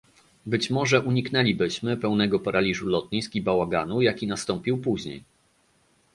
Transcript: Być może uniknęlibyśmy pełnego paraliżu lotnisk i bałaganu, jaki nastąpił później